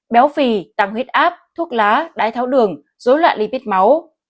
béo phì tăng huyết áp thuốc lá đái tháo đường dối loạn lipid máu